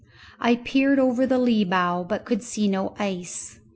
I peered over the lee bow, but could see no ice.